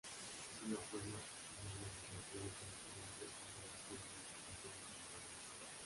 Es una forma amena de construir el conocimiento y son relativamente fáciles de elaborar.